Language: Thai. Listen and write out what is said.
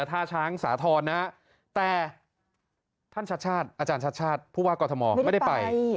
หรือท่าช้างสาธรณ์นะแต่ท่านชัดอาจารย์ชัดพูดว่ากอร์ธมอร์ไม่ได้ไป